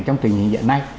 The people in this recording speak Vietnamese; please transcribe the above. trong tình hình hiện nay